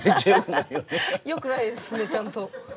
よくないですねちゃんと。